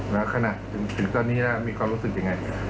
แล้วขณะถึงตอนนี้มีความรู้สึกยังไง